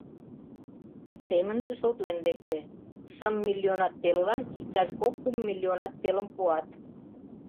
Семынже шотлен лекте: шым миллионат пелылан иктаж кок-кум миллионат пелым пуат.